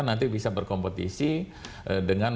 nanti bisa berkompetisi dengan